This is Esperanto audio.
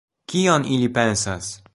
Kion ili pensas?